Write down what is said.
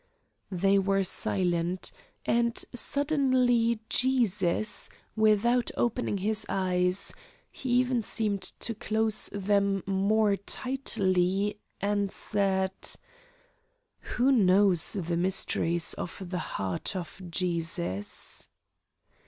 They were silent; and suddenly Jesus, without opening His eyes He even seemed to close them more tightly answered: "Who knows the mysteries of the heart of Jesus?"